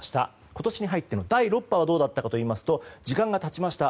今年に入っての第６波はどうだったかといいますと時間が経ちました。